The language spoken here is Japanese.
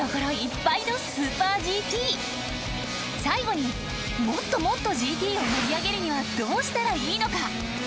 最後にもっともっとＧＴを盛り上げるにはどうしたらいいのか。